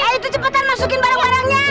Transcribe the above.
ayo kecepatan masukin barang barangnya